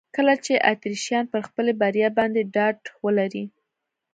کله چې اتریشیان پر خپلې بریا باندې ډاډ ولري.